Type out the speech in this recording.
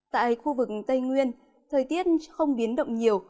tại khu vực tây nguyên thời tiết không biến động nhiều